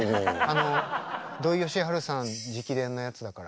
あの土井善晴さん直伝のやつだから。